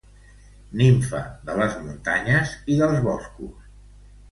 Nimfa de les muntanyes i dels boscos.